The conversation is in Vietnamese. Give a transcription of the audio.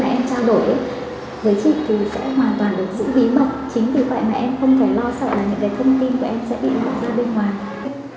và em không phải lo là mình sẽ phải lấy máu nhiều đâu